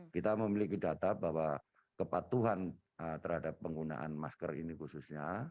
kita memiliki data bahwa kepatuhan terhadap penggunaan masker ini khususnya